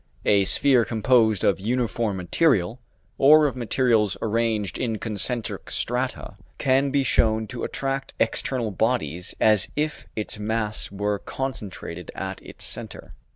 A sphere composed of uniform material, or of materials arranged in concentric strata, can be shown to attract external bodies as if its mass were concentrated at its centre.